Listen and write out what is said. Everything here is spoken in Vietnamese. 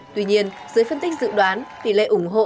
tuy nhiên dưới phân tích dự đoán tỷ lệ ủng hộ